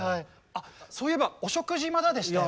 そういえばお食事まだでしたよね？